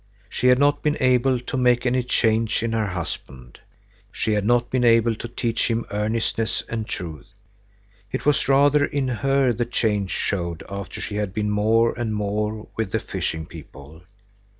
She had not been able to make any change in her husband. She had not been able to teach him earnestness and truth. It was rather in her the change showed, after she had been more and more with the fishing people.